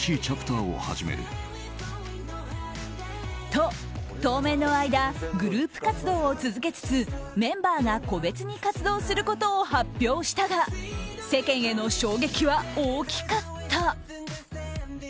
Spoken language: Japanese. と、当面の間グループ活動を続けつつメンバーが個別に活動することを発表したが世間への衝撃は大きかった。